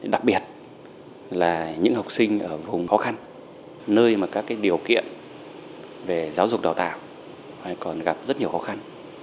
đặc biệt là những học sinh ở vùng khó khăn nơi mà các điều kiện về giáo dục đào tạo còn gặp rất nhiều khó khăn